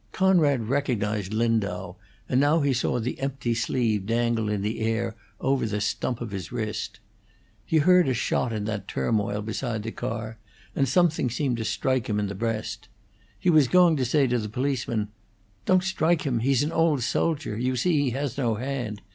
Conrad recognized Lindau, and now he saw the empty sleeve dangle in the air over the stump of his wrist. He heard a shot in that turmoil beside the car, and something seemed to strike him in the breast. He was going to say to the policeman: "Don't strike him! He's an old soldier! You see he has no hand!"